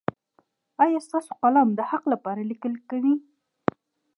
ایا ستاسو قلم د حق لپاره لیکل کوي؟